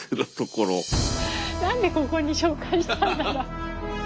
何でここに紹介したんだろう？